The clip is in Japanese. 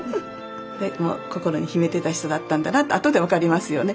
心に秘めてた人だったんだなと後で分かりますよね。